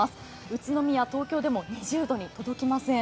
宇都宮、東京でも２０度に届きません。